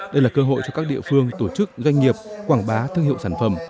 đây là cơ hội cho các địa phương tổ chức doanh nghiệp quảng bá thương hiệu sản phẩm